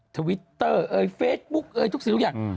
ทวิตเตอร์เอ่ยเฟซบุ๊กเอ่ยทุกสิ่งทุกอย่าง